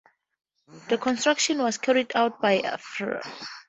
The construction was carried out by Fr.